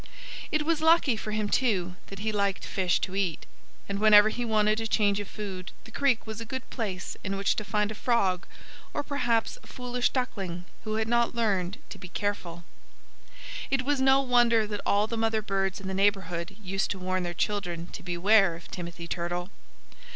It was lucky for him, too, that he liked fish to eat. And whenever he wanted a change of food the creek was a good place in which to find a frog, or perhaps a foolish duckling who had not learned to be careful. It was no wonder that all the mother birds in the neighborhood used to warn their children to beware of Timothy Turtle.